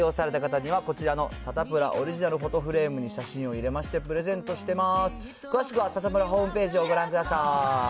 採用された方には、こちらのサタプラオリジナルフォトフレームに写真を入れまして、プレゼントしてます。